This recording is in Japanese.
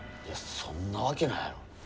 そんなわけないやろ。